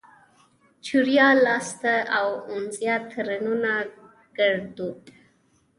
چوریا لاسته اونزنا؛ ترينو ګړدود